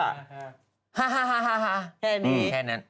ฮาแค่แน่นั้น